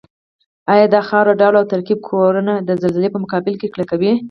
ایا د خاورې ډول او ترکیب کورنه د زلزلې په مقابل کې کلکوي؟